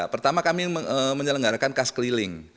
pertama kami menyelenggarakan kas keliling